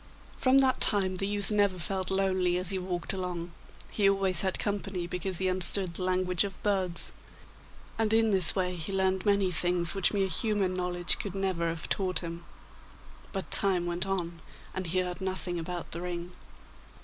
From that time the youth never felt lonely as he walked along; he always had company, because he understood the language of birds; and in this way he learned many things which mere human knowledge could never have taught him. But time went on, and he heard nothing about the ring.